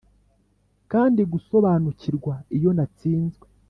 kandi gusobanukirwa iyo natsinzwe.